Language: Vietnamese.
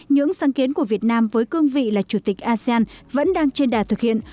những sáng kiến của việt nam với cương vị là chủ tịch asean vẫn đang trên đà thực hiện